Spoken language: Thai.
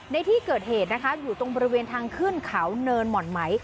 ในที่เกิดเหตุนะคะอยู่ตรงบริเวณทางขึ้นเขาเนินหม่อนไหม